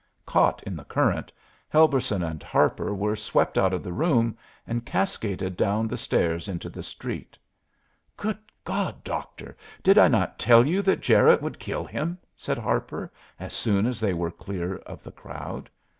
Caught in the current, Helberson and Harper were swept out of the room and cascaded down the stairs into the street. "Good God, Doctor! did I not tell you that Jarette would kill him?" said Harper, as soon as they were clear of the crowd.